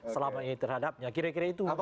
selama ini terhadapnya kira kira itu